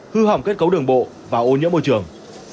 hư hỏng kết cấu đường bộ và ô nhiễm môi trường